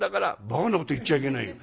「ばかなこと言っちゃいけないよ。